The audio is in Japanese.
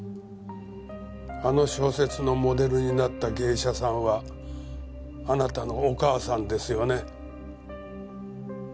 あの小説のモデルになった芸者さんはあなたのお母さんですよね。